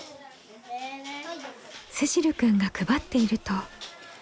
せしるくんが配っていると。